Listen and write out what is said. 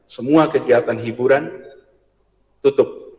semua kegiatan hiburan tutup